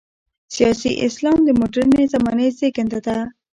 سیاسي اسلام د مډرنې زمانې زېږنده ده.